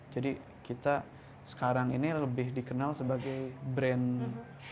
jadi kita sekarang ini lebih dikenal sebagai brand geof